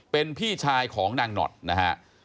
เป็นพี่ชายของนางหนอดนะฮะ